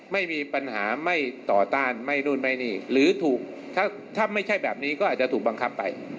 ไม่มีปัญหาไม่ต่อต้านไม่นู่นไม่นี่หรือถูกถ้าไม่ใช่แบบนี้ก็อาจจะถูกบังคับไป